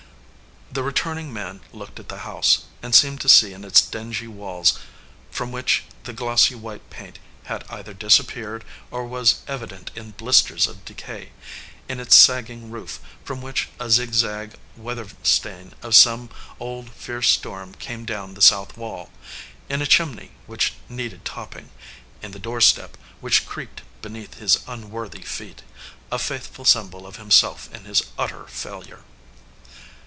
The returning man looked at the house, and seemed to see in its dingy walls from which the glossy white paint had either dis appeared or was evident in blisters of decay, in its sagging roof from which a zigzag weather stain of some old, fierce storm came down the south wall, in a chimney which needed topping, in the door step which creaked beneath his unworthy feet, a faithful symbol of himself in his utter failure.